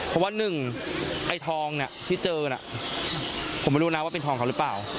เพราะว่าหนึ่งทองที่เจอผมไม่รู้นะว่าเป็นทองเขาหรือเปล่า